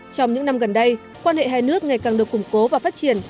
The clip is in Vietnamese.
trong những năm gần đây quan hệ hai nước ngày càng được củng cố và phát triển